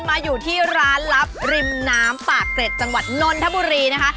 มาอยู่ที่ร้านลับริมน้ำปากเกร็ดจังหวัดนนทบุรีนะคะ